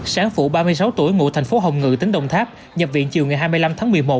sáng phụ ba mươi sáu tuổi ngụ thành phố hồng ngự tỉnh đồng tháp nhập viện chiều ngày hai mươi năm tháng một mươi một